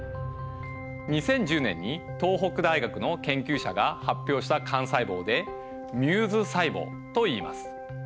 ２０１０年に東北大学の研究者が発表した幹細胞で「ミューズ細胞」といいます。